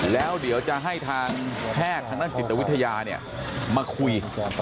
แล้วเดี๋ยวจะให้ทางแพทย์ทางด้านจิตวิทยามาคุย